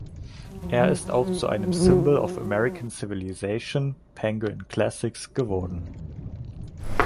Er ist auch zu einem „symbol of American civilization“ (Penguin Classics) geworden.